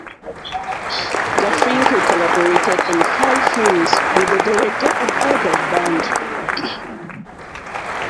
Garfinkle collaborated on five films with the director Albert Band.